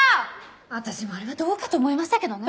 私もあれはどうかと思いましたけどね。